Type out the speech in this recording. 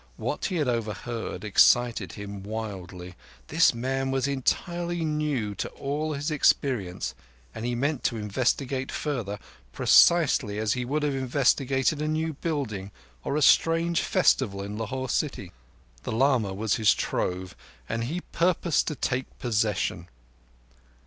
What he had overheard excited him wildly. This man was entirely new to all his experience, and he meant to investigate further, precisely as he would have investigated a new building or a strange festival in Lahore city. The lama was his trove, and he purposed to take possession.